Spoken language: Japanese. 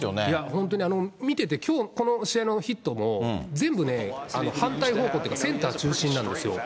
本当に見てて、きょう、この試合のヒットも、全部ね、反対方向っていうか、センター中心なんですよ。